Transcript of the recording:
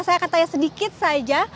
saya akan tanya sedikit saja